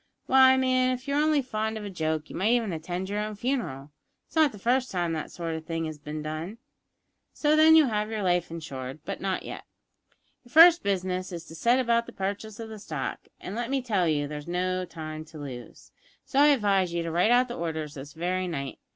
Why, man, if you were only fond of a joke you might even attend your own funeral! It's not the first time that sort of thing has bin done. So, then, you'll have your life insured, but not yet. Your first business is to set about the purchase of the stock, and, let me tell you, there's no time to lose, so I advise you to write out the orders this very night.